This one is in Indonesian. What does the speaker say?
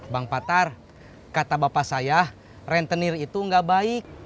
bang patar kata bapak saya rentenir itu gak baik